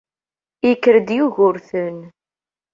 Yekker-d Yugurten.